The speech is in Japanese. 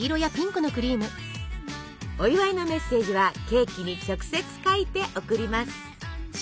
お祝いのメッセージはケーキに直接書いて贈ります！